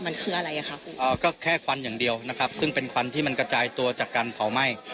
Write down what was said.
มันคืออะไรอ่ะคะคุณอ่าก็แค่ควันอย่างเดียวนะครับซึ่งเป็นควันที่มันกระจายตัวจากการเผาไหม้